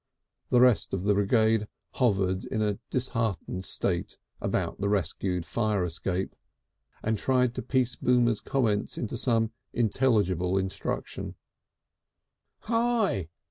The rest of the brigade hovered in a disheartened state about the rescued fire escape, and tried to piece Boomer's comments into some tangible instructions. "Hi!"